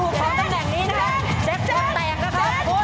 เกมรับจำนัม